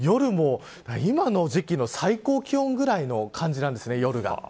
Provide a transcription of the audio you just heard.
今の時期の最高気温ぐらいの感じなんですね、夜が。